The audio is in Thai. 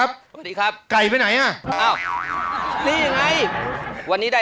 ไม่เอา